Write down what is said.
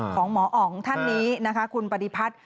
ของหมออ๋องท่านนี้นะคะคุณปฏิพัฒน์